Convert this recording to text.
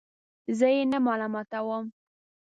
زه یې نه ملامتوم.